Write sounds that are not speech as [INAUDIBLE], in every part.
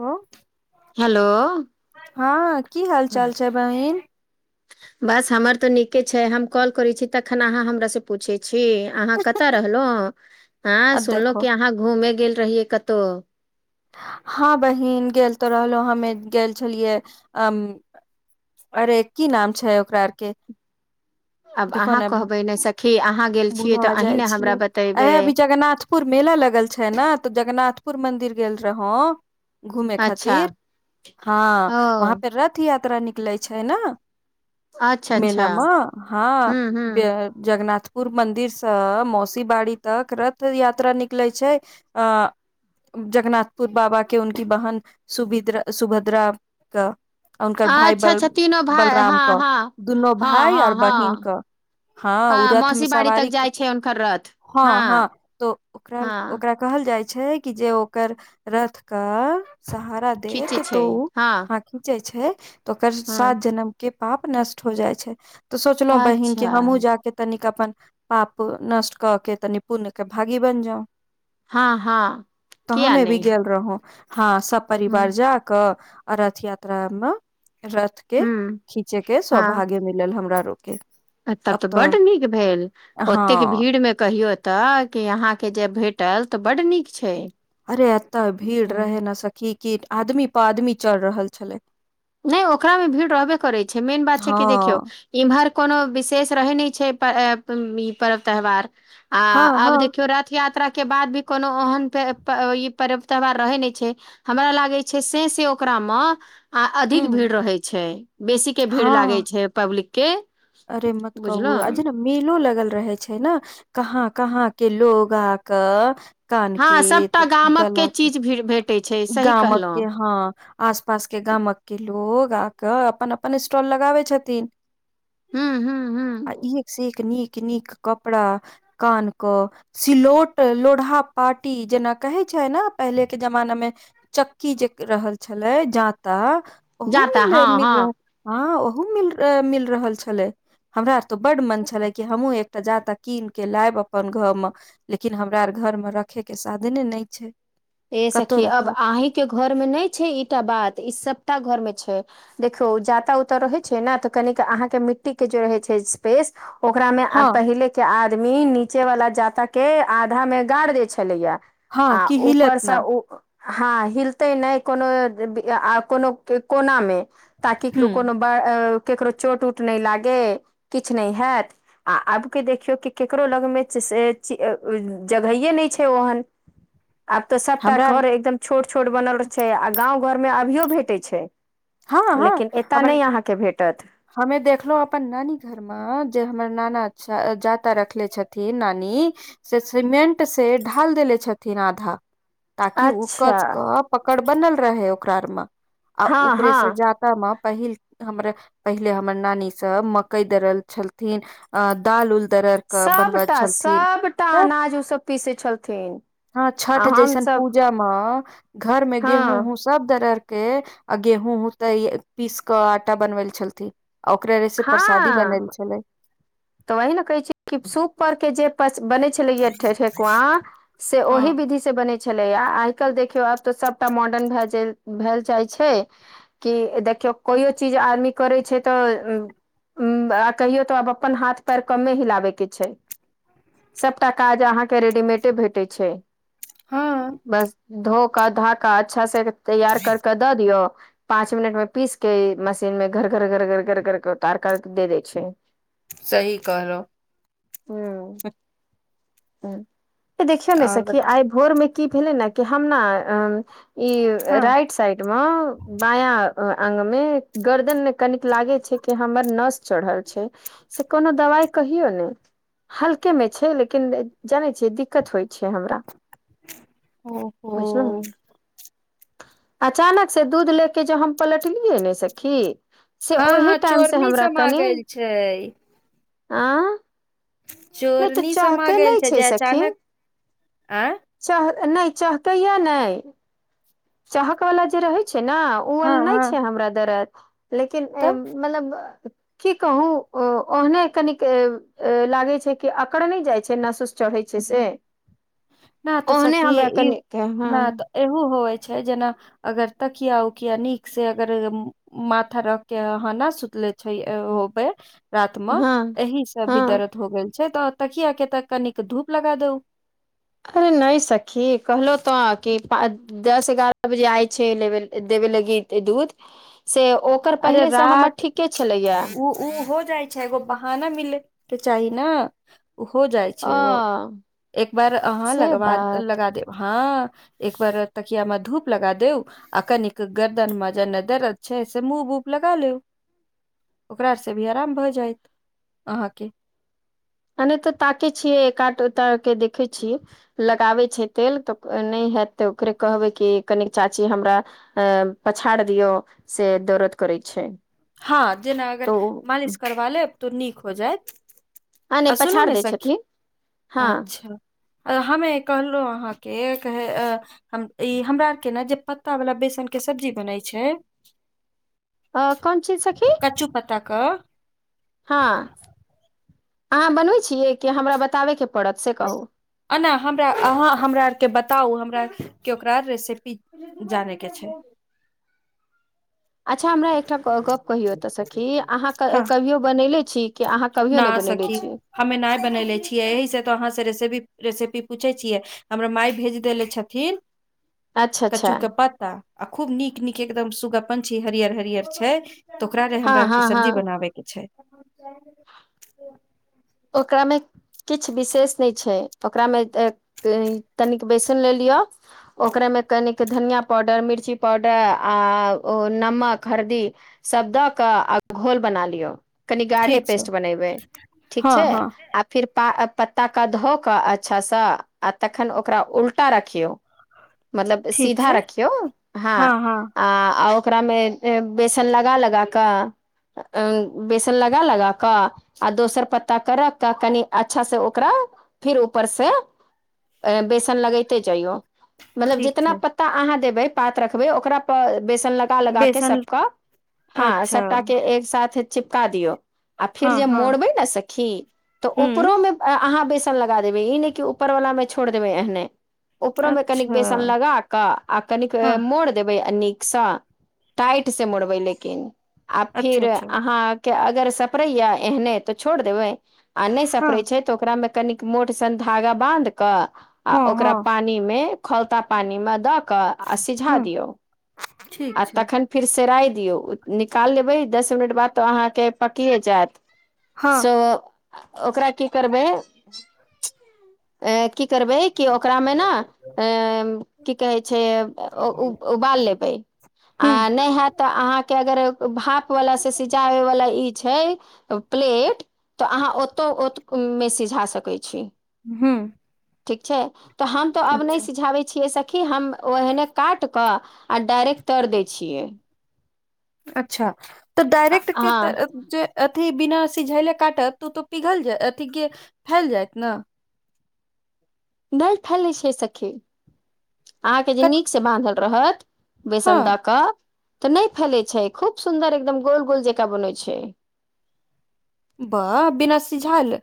ओ hello हँ की हाल चाल छै बहिन बस हमर तऽ नीके छै हम कॉल करै छी तखन अहाँ हमरा से पूछे छी अहाँ कतऽ रहलअ हँ आ सुनलऔ देखो की अहा घूमे गेल रहियै कतहुं हँ बहिन गेल तऽ रहलहु हम गेल छलियै आ अरे की नाम छै ओकरा आर के आब देखो अहाँ ने कहबै ने सखी अहाँ गेल छियै तऽ भुला अहीं जाइ ने हमरा छियै बतेबै आहे बीच जगन्नाथ पुर मेला लगल छै ने तऽ जगन्नाथपुर मंदिर गेल रहौ घुमे अच्छा खातिर हँ ओ वहाँपे रथ यात्रा निकलै तछै न अच्छा अच्छा मेलामे हँ हूँ हूँ -जगन्नाथ पुर मंन्दिरसँ मौसी बाड़ी तक रथ यात्रा निकले आछै आ जगनाथपुर बाबा के उनकी बहन सुभद्रा स हुनकर भाय अच्छा अच्छा तीनो भाय हँ बलरामके हँ दुनू हँ भाय आऔर हँ हँ बहिनके हँ ओ आ रथ मे मौसी बाड़ी तक सवारी जाइ छै हुनकर रथ हँ हँ तो ओकरा हँ कहल जाइ छै कि जे ओकर रथ के सहारा देख खीचे क छै हँ तौओहट खीचै छै तऽ ओकर हँ सात जनम के पाप नष्ट हो जाइ छै तऽ सोचलहुँ बहिन कि अच्छा हमूँ जााकऽ तनिक अपन पाप नष्ट कऽ के तनि पुण्य के भागी बनि जाऊ हाँ हँ ताँ किया एबेर नहि गेल रहू हँ सब हूँ परिवार जायत क रथ यात्रा मे एकरा के हूँ खीचे के हँ सौभाग्य मिलल हमरो आऔर के तऽ बड नीक भेल हँ ओतेक भीड़ में कहियो तऽ के अहाँके जे भेटल तऽ बड नीक छै अरे अत्त भीड़ रहै हम्म। ने सकी की आदमी पर आदमी चढ़ रहल छलै नय ओकरा मे भीड़ रहबे करै छै मेन बात छै कि देखियौ हँ इमहर कोनो विशेष रहै नहि छै पर्व त्यौहार आ हँ हँ आबदेखियो रथ यात्रा के बाद कोनो ओहन त ई पर्व यौहार रहै नहि छै हमरा लागै छै से कि ओकरा म आ अधिक हूँ भीड़ रहैत छै बेसी के भीड़ लागे हँ छै पब्लिक के अरे मत कहू बुझलौं अहि द मेलो लगल रहे छै ने कहाँ कहाँ के लोग आक कानके हँ सभटा गामक के गलाके चीज भी भेटै छै सही कहलौं गामकके हँ आस पास के गामक के लोग आक अपन अपन स्टॉल लगाबै छथिन हू हू हूं आ एक नीक नीक कपड़ा कान कऽ सिलौट लोढ़ा पार्टी जेना कहै छै ने पहिलेके जमानामे चक्की जे रहल छलै जाता ओहू जाता हँ नहीं मिल रहल हँ ओहू नहीं टामिल रहल छलै हमरा त बड मन छलै कि हमहू एक त जा तऽ कीन के लायब अपन घर मे लेकिन हमरा आर घरमे रखयके साधने नय छै ए कतहु सखी अब रखब अहीं के घर में नहि छै ईटा बात ईआब सबघर में छै देखिऊ जाता उता रहैत छै ने तऽ कनिक अहाँके मिट्टी के जे रहैत छै स्पेस ओकरा मे अ हँ पहिले के आदमी नीचे वाला जाँता के आधा मे गाड़ देय छलैया हँ की हीलक स ऊ हँ हिलते नै कोनो कोनो कोना मे ताकि हुं कोनो ब केकरो चोट उट नै लागे किछ नय हेएत आ आब के देखियौ कि केकरो लग मे च से जगैहे नै छै ओहन आब तऽ सभटा हमरा आर घर एकदम छोट छोट बनल छै आ गाँव घरमे अभियो भेटै छै हँ हँ लेकिन एत हमर नय अहाँके भेटथ हमे देखलौ अपन नानी घर हमर जे हमर नाना छ जाता रखले छथिन नानी से सीमेंट से ढाल देेले छथिन आधा ताकि उ अच्छा कचक पकड़ बनल रहै ओकरा आर मे आ हँ उपरे हँ से जा [UNINTELLIGIBLE] मे पहिल हमर पहिले हमर नानी सब मकई दरल छलथिन अ दाल उल दरर के बनबैत सबटा छलथिन सबटा तब अनाज उसभ पीसै छलथिन हँ छठ आ जैसन हमसभ पूजा मे घर मे गेहूँ हँ उहूँ सब दरर के आ गेहूँ हूँ तैऽ पीस कऽ आटा बनबै ल छलथि आ ओकरे रेसे परसादी बनले हँ छलै तऽ वही ने कहै छी कि सूप पर के जे बनै छै छलैया ठे ठेकुआ से ओहि हँ विधि से से बनै छलैया आइ काइल देखियौ आब तऽ सबटा मॉडर्न भए भेल जाइल छैय कि देखियौ कोइो चीज आदमी करै छै तऽ अम कहियो तऽ आब अप अपन हाथ पैर कमे ही लाबै के छैय सभटा काज अहाँके रेडीमेटे भेटै छय हँ बस धो कऽ धा कऽ अच्छा से तैयार करक दऽ दियऔ पाँच मिनट मे पीस के मशीन मे घर घर घर घर घर घर उतार कर दे दै छै। सही कहलौं हूँ देखियौ ने और सखी बता आइ भोरमे कि भेलै ने कि हमनाइ हँ राइट साइड। मे बाया अंग मे गर्दन मे कनिक लागै छै कि हमर नस चढ़ल छै से कोनो दबाई कहियौ नै। हल्के मे छै लेकिन जानै छियै दिक्कत होइ छै हमरा। होहो [UNINTELLIGIBLE] अचानक से दूध लै के जो हम पलटलियै ने सखी से ओहि टाइम से हमरा कनी छैय ऑ चोरनी समा गेल नहि छै जे सखी अचानक आँय चह नै चहकै या नै चाहकला जे रहै छै ने उ हँ वला नै हँ छै हमरा दर्द लेकिन तऽ एब मलब की कहू ओ ओहने कनिक लागै छै कि अकड़ नै जाइ छै नसउस चढ़ै छै से ना तऽ ओहने सखी हमरा ई कनी क हॉं ना तऽ एहू होवै छै जेना अगर तकिया उकिया नीक से अगर माथा रख केँ अहाँ नऽ सुतले छै ए होबै रात मे हँ एहि से भी हँ दर्द हो गेल छै तऽ तकिया केँ तऽ कनिक धूप लगा दोउ अरे नय सखी कहलहु तऽ कि पा दस एगारह बजे आय छै एवै देबे लागी दूध से ओ अरे रात उ उ हो जाए छै एगो बहाना मिलै केँ चाही नऽ उ हो जाइ छै ओ एक बार अहाँ से लगबा बात लगा देब हँ एक बार तकियामे धूप लगा दु आ कनिक गर्दन मे जेने दरद छै से मुभ उभ लगा लू ओकरा से भी आराम भय जैंत अहाँकेँ अने तऽ ताकै छियै एक आठ तऽ केँ देखे छियै लगाबै छै तेल तऽ नय हैत तऽ ओकरे कहबै की कनिक चाची हमरा अ पछाड़ दियौ से दरद करै छै हँ जेना अगर तऽ मालिश करबा लेब तो नीक हो जैत आ नहि अ सुनू पछाड़ नऽ दै सखी छथिन हँ अच्छऽ अ हमे कहलहु अहाँकेँ कहे ए ई हमरा आर केँ नऽ जे पत्ता वला बेसन केँ सब्जी बनै छै अ कोन चीज सखी कचू पत्ता कऽ हँ अहाँ बनबै छियै कि हमरा बताबय केँ पड़त से कहू एना हमरा अहाँ हमरा आरकेँ बताउ हमरा केँ ओकरा रेसेपी जाने केँ छै अच्छा हमरा एकटा गप्प कहियौ तऽ सखी अहाँ हँ कहियो बनयनेे छी कि अहाँ कहियो न नय बनैले सखी छी हमे नै बनेले छियै यही से तो अहाँ से रेसेपी रेसेपी पूछे छियै हमरा माई भेज देेले छथिन अच्छा अच्छा कच्चू केँ पत्ता आ खूब नीक नीक एकदम सुगा पंछी हरियर हरियर छै तऽ ओकरा ले हँ हमरा आर हँ केँ हँ सब्जी बनाबे केँ छै ओकरा मे किछ विशेष नय छै ओकरा मे तनिक बेसन ले लिअ ओकरामे कनिक धनिया पाउडर, मिर्ची पाउडर आ ओ नमक, हरदी सभ दऽ कऽ आ घोल बना लियौ, कनि गाढ़े ठीक छै पेस्ट बनेबै। ठीक हँ छै हँ आ फिर पा पत्ताक धो कऽ अच्छासँ आ तखन ओकरा उल्टा रखियौ मतलब ठीक सीधा छै रखियौ हँ आ ओकरामे ए बेसन लगा - लगा कऽ बेसन लगा - लगा कऽ आ दोसर पत्ता कऽ रख कऽ कनि अच्छा से ओकरा फिर ऊपर से बेसन लगेते जाइयो मतलब ठीक जितना छै पत्ता अहाँ देबे, पात रखबे, ओकरा पर बेसन ल गा लगा केँ बेसन सब कऽ हँ अच्छा सबटा केँ एक साथ चिपका दियो आ फेर हँ जे हँ मोड़बै नऽ सखी, तऽ हूँ उपरोमे अहाँ बे सन लगा देबै ई नय कि ऊपर वाला मे छोड़ देबै एहने ऊपरो मे कनिक अच्छा बेसन लगा कऽ आ कनिक हँ मोड़ देबै नीकसँ टाइट से मुड़बै लेकिन आ अच्छा फिर अच्छा अहाँ के अगर सपरै य एहने तऽ छोड़ देबै आ नय हँ सपरै छै। ओकरा मे कनिक मोट सन धागा बंध कऽ आ हँ ओकरा हँ पानी मे खौलता पानी मऽ द कऽ आ सिझा हूँ दियौ ठीक आ छै तखन फिर सेराइ दियौ निकालिबै दस मिनट बाद तऽ अहाँके पकिए जायत। हँ सो ओकरा की करबै। ए की करबै कि ओकरामे न एम की कहै छै उबाल लेबै आ हूँ नै हेएत तऽ अहाँके अगर भाप वाला से सिचाबे वाला ई छै प्लेट तऽ अहाँ ओतौ ओ मे सीझा सकै छी हूँ ठीक छै तऽ हम तऽ आब नै अच्छा सिझाबै छियै स कि हम ओ एहने काट कऽ आ डारेक्ट तर दै छियै। अच्छा तऽ आ डायरेक्ट के हँ तऽ जे अथि बिना सिझयले काटत तऽ उ तो पिघल जाय अथी गे फैल जायत न नल फैलै छै सखी अहाँके जे नीक स बानधल रहत हँ बेसन दऽ कऽ तऽ नै फैले छै खूब सुन्दर एकदम गोल-गोल जेका बनै छै। बाह बिनासी झाल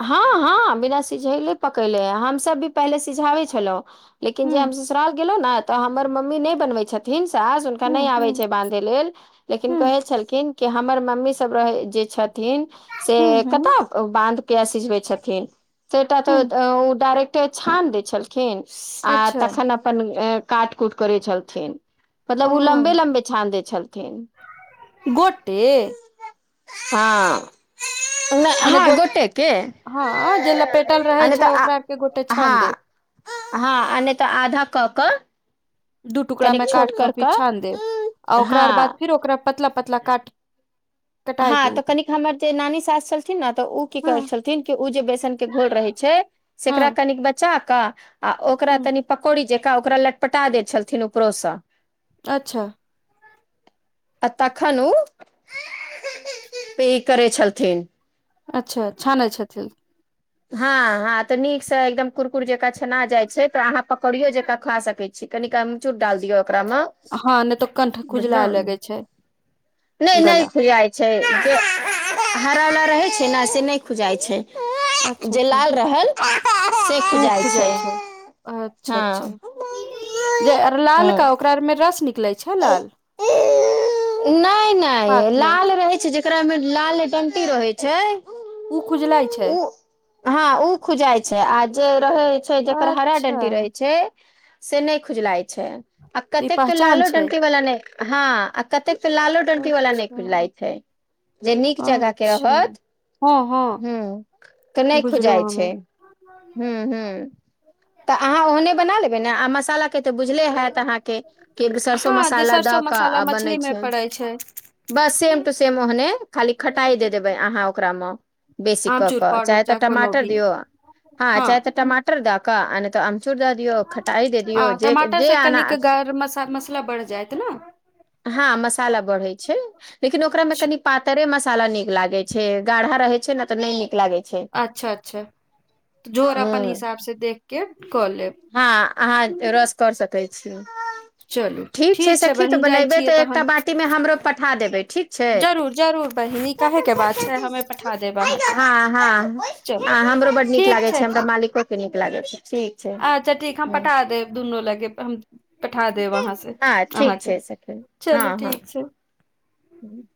हँ-हँ बिना सिझलै पकैले हमसब भी पहिले सिझाबै छलौं लेकिन जे हुं हम ससुराल गेलौ न तऽ हमर मम्मी नै बनबै छथि धिन सास हुनका नै हुं आबे हुं छै बानधै लेल लेकिन हुं कहै छलखिन। के हमर मम्मी सब रह जे छथिन से हुं हुं कत बानध सिझबै छथिन्ह से तऽ हुं ओ डारेक्ट छान दै छलखि खीन आ अच्छा तखन अपन काट-कुट करै छलथिन। ओ मतलब उ लम्बे-लम्बे छानदै छलथिन। गोटे हँ नैऽ मने हँ गोट गोटे के हँ जे लपेटल रहै आ नहि छै ओकरा आर तऽ के एक गोटे छानि हँ देब। हँ आ नै तऽ आधा कऽ क दू टुकड़ा मे काट क फिर कऽ छानि देब आ ओकरा आर बाद हँ फिर ओकरा पतला-पतला काट कटाय हँ तू तऽ कनिक हमर जे नानी सास छलथिन न तऽ उ कि करै हँ छलथिन कि ओ जे बेसनक के घोर रहै छै हँ सेकरा कनिक बच्चा क आ ओकरा हुं तनि पकौड़ी जकाँ ओकरा लटपटा दैत छलथिन ऊपरोसँ अच्छा आ तखन ओ पी करै छलथिन। अच्छा छानै छथिन। हँ-हँ तऽ नीक स एकदम कुरकुर जका छना जाइ छै तऽ आहाँ पक करियो जेका खा सक छी कनिक आमचूर डाल दिययौ ओकरा म हँ नहि तऽ कंठ बुझलौ खुजलाय लगै छै नै नै गला छै आई छै, जे हरावला रहै छै न, से नै खुजाइ छै। अच्छा जे अच्छा लाल रहल। उ खुजाइ छै। अच्छा-अच्छा, हँ जे लालका। हँ ओकरा आरमे रस निकलै छै लाल नै नै पात मे लाल रहै छै जेकरा मे लाल डंटी रहै छै ऊ खुजलाय छै उ हँ ऊ खुजाइ छै आ जे रहै छै जेकर हरा अच्छा डंटी रहै छै से नै खुजलाय छै आ ई कतेक तऽ पहचान लालो छै डंटी वाला नै हँ क कतेक तऽ लालो डंटी वाला नै अच्छा खुजलाय छै जे नीक जगह के अच्छा रहत हँ हँ हूँ तऽ नै बुझलो खुजाय हमे छै हूँ हूँ तऽ अहाँ ओहने बना लेबै ने आ मसाला इ त बुझले हएत अहाँके सरसो हँ जे मसाला द सरसो कऽ मसाला आ बनै मछली मे छै पड़ै छै बस सेम टु सेम ओहने खाली खटाइ द देबै अहाँ ओकरामे बेसी कऽ आमचूर कऽ पाउडर चाहे तऽ कोनो टमाटर भी दियौ हँ चाहे तऽ टमाटर द कऽ आ नै तऽ अम चूर दए दिययौ खटाइ दे दियौ जे जे आनाया सा मसला बढ़ि जायत न हँ मसाला बढ़ै छै लेकिन ओकरा मे कनी पातरे मसाला नीक लागै छै गाढ़ा रहै छै न तऽ नै नीक लागै छै अच्छा अच्छा तऽ जोर अपन हूँ हिसाबसे देखके कऽ लेब हँ अहाँ रस कर सकै छी चलू ठीक छै सखी तऽ बहिन जाइ बनेबै छियै तऽ एकटा तहन बाटी मे हमरो पठा देबै ठीक छै जरूर जरूर बहिनी कहयके बात छै हमे पठा देब अहाँके [UNINTELLIGIBLE] हॅं हॅं चलू हँ हमरो बड नीक ठीक लागै छै हमरा फिर मालिकोके नीक लागै छै ठीक छै अच्छा ठीक हम हूँ पठा देब दुनू लगे त हम पठा देब आहा‌ॅं से ठीक अहाँके छै सखी चलू ठीक छै हूँ